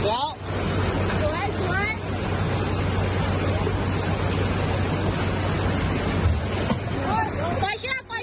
ปล่อยเชือกสิ